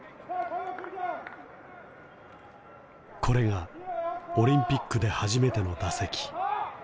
これがオリンピックで初めての打席。